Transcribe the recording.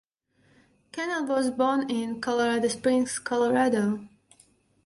Kennell was born in Colorado Springs, Colorado.